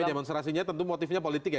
demonstrasinya tentu motifnya politik ya